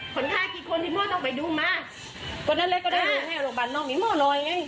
คนไข้กี่คนที่มอตรอไปดูมาก็นั่นเลยก็ได้รู้ให้โรงบาลน้องมีมอตรอดไง